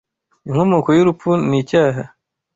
Inkomoko y'urupfu ni icyaha